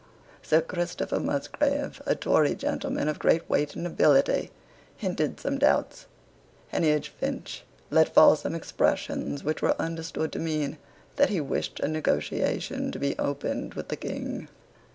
Sir Christopher Musgrave, a Tory gentleman of great weight and ability, hinted some doubts. Heneage Finch let fall some expressions which were understood to mean that he wished a negotiation to be opened with the King.